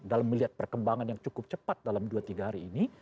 dalam melihat perkembangan yang cukup cepat dalam dua tiga hari ini